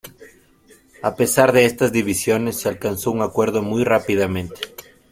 A pesar de estas divisiones, se alcanzó un acuerdo muy rápidamente.